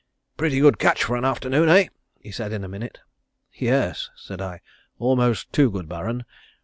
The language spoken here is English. "Pretty good catch for an afternoon, eh?" he said in a minute. "Yes," said I. "Almost too good, Baron.